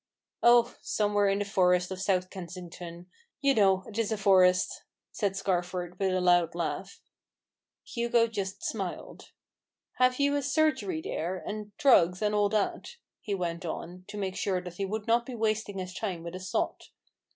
" Oh, somewhere in the forest of South Kensington — you know it is a forest," says Scarford, with a loud laugh. Hugo just smiled. " Have you a surgery there, and drugs, and all that ?" he went on, to make sure that he would not be wasting his time with a sot.